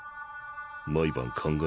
毎晩考え